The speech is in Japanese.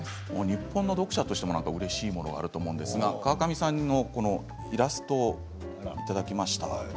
日本の読者としてもうれしいものがあると思うんですが川上さんのイラストをいただきました。